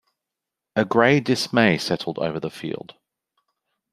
A grey dismay settled over the field.